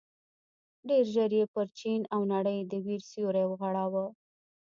ډېر ژر یې پر چين او نړۍ د وېر سيوری وغوړاوه.